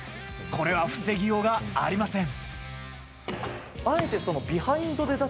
これは防ぎようがありません。